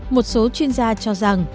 một số chuyên gia cho rằng